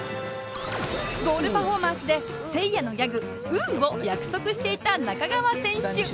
ゴールパフォーマンスでせいやのギャグ「ウー」を約束していた仲川選手